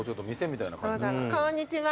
こんにちは。